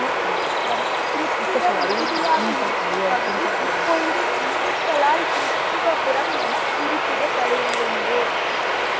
புதுச்சேரி நகரில் கிறித்துவர் மிகுதியாயிருக்கும் பகுதி, இப்போதும் இந்துக்களால் கிறிஸ்தவபுரம் எனக் குறிப்பிடப்படுவதுண்டு.